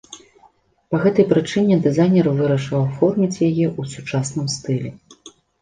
Па гэтай прычыне дызайнер вырашыў аформіць яе ў сучасным стылі.